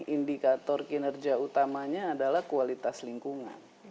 indikator kinerja utamanya adalah kualitas lingkungan